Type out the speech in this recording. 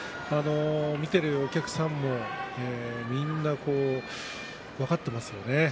見ているお客さんもみんな分かってますよね。